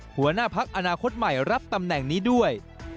หัวหน้าพักอนาคตใหม่รับตำแหน่งนี้ด้วย